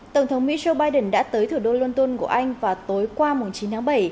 tổng thống mỹ joe biden đã tới thủ đô london của anh vào tối qua chín tháng bảy